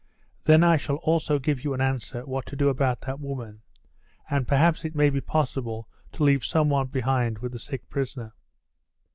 Then I shall also give you an answer what to do about that woman, and perhaps it may be possible to leave some one behind with the sick prisoner."